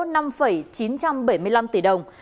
năm hai nghìn một mươi sáu lỗ năm chín trăm bảy mươi năm tỷ đồng